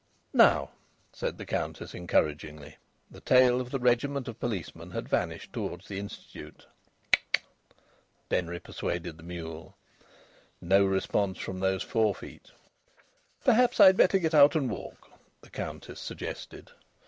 "Now," said the Countess, encouragingly. The tail of the regiment of policemen had vanished towards the Institute. "Tchk! Tchk!" Denry persuaded the mule. No response from those forefeet! "Perhaps I'd better get out and walk," the Countess suggested.